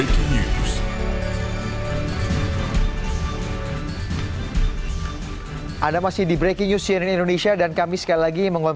kami mengucapkan selamat malam kepada anda yang telah menonton